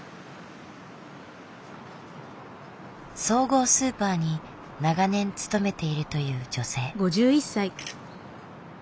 総合スーパーに長年勤めているという女性。